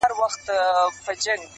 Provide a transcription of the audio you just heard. • یا له ستایلو د ښکلیو سوړ یم -